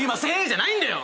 じゃないんだよ